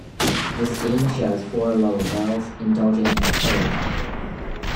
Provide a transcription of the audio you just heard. This scene shows four little girls indulging in a pillow fight.